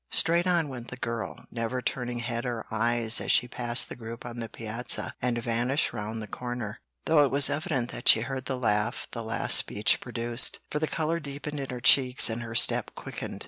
Straight on went the girl, never turning head or eyes as she passed the group on the piazza and vanished round the corner, though it was evident that she heard the laugh the last speech produced, for the color deepened in her cheeks and her step quickened.